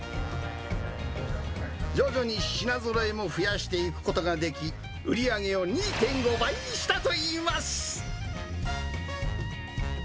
徐々に品ぞろえも増やしていくことができ、売り上げを２．５倍にしたといいます。